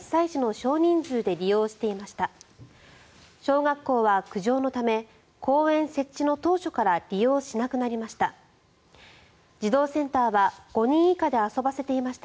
小学校は、苦情のため公園設置の当初から利用しなくなりました。